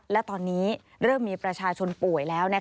และตอนนี้เริ่มมีประชาชนป่วยแล้ว